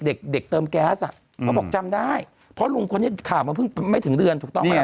เด็กเติมแก๊สอ่ะมันบอกจำได้เพราะลุงคนนี้ข่าวมาไม่ถึงเดือน